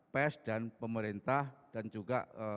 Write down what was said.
pers dan pemerintah dan juga